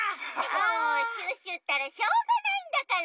もうシュッシュったらしょうがないんだから。